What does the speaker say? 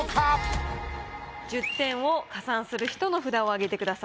１０点を加算する人の札を上げてください。